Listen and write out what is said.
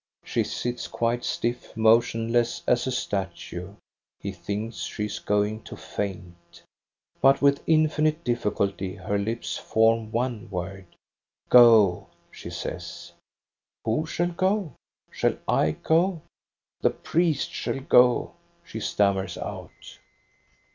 She sits quite stiff, motion less as a statue. He thinks she is going to faint. But with infinite difficulty her lips form one word. " Go !" she says. " Who shall go > Shall / go t "" The priest shall go, " she stammers out.